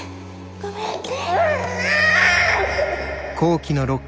ごめんね。